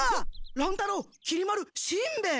乱太郎きり丸しんべヱ！